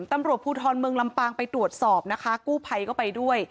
ตำรวจภูทรเมืองลำปางไปตรวจสอบนะคะกู้ภัยก็ไปด้วย